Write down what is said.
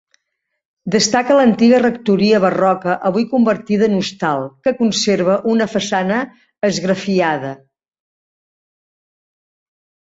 Destaca l'antiga rectoria barroca avui convertida en hostal, que conserva una façana esgrafiada.